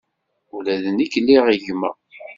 Ula d nekk liɣ gma.